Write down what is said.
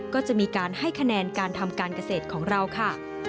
ก็จะมีการให้คะแนนการทำการเกษตรของเราค่ะ